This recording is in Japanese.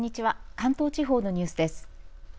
関東地方のニュースです。